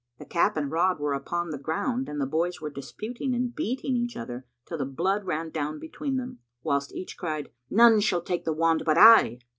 The cap and rod were upon the ground and the boys were disputing and beating each other, till the blood ran down between them; whilst each cried, "None shall take the wand but I."